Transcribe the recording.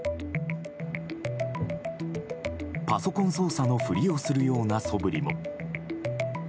パソコン操作のふりをするようなそぶりも。